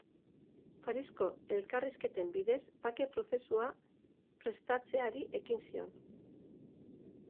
Parisko elkarrizketen bidez bake prozesua prestatzeari ekin zion.